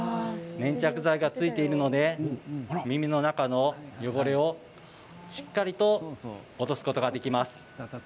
粘着剤が付いているので耳の中の汚れをしっかりと落とすことができます。